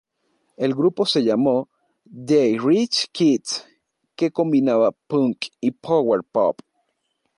El grupo se llamó The Rich Kids, que combinaba punk y power pop.